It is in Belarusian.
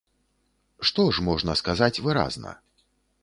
Што ж можна сказаць выразна?